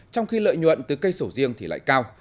trong khi lợi nhuận từ cây sầu riêng thì lại cao